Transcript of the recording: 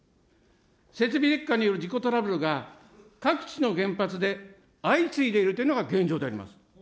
設備劣化による事故トラブルが、各地の原発で相次いでいるというのが現状であります。